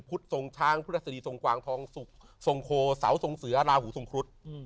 พุทธทรงช้างพุทธศรีทรงกวางทรงศุกร์ทรงโคสาวทรงเสือลาหูทรงครุฑ